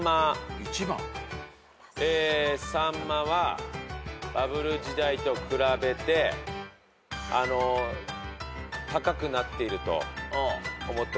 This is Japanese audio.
さんまはバブル時代と比べて高くなっていると思っております。